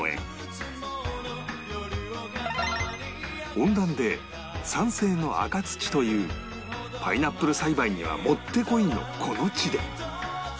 温暖で酸性の赤土というパイナップル栽培にはもってこいのこの地で